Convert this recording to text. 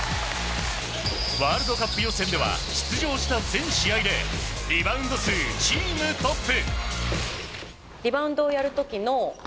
ワールドカップ予選では出場した全試合でリバウンド数チームトップ。